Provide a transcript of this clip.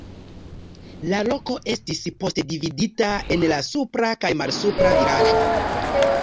La loko estis poste dividita en la supra kaj malsupra vilaĝo.